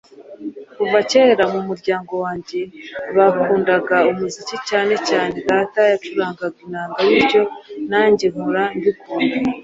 “Kuva kera mu muryango wanjye bakundaga umuziki cyane cyane data yacurangaga inanga bityo nanjye nkura mbikunda